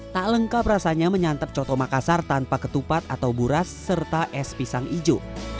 tak lengkap rasanya menyantap coto makassar tanpa ketupat atau buras serta es pisang hijau